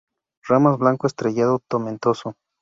Ramas blanco estrellado-tomentoso.